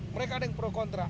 mereka ada yang pro kontra